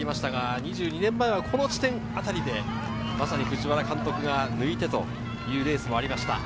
２２年前はこの地点あたりで、藤原監督が抜いてというレースがありました。